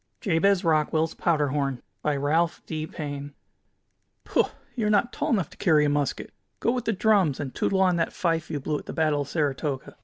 JABEZ ROCKWELL'S POWDER HORN By Ralph D. Paine "Pooh, you are not tall enough to carry a musket! Go with the drums, and tootle on that fife you blew at the Battle of Saratoga.